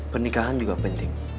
pernikahan juga penting